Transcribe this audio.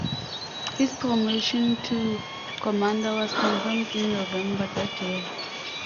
His promotion to Commander was confirmed in November that year.